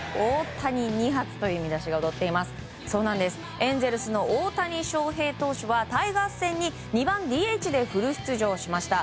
エンゼルスの大谷翔平投手はタイガース戦に２番ＤＨでフル出場しました。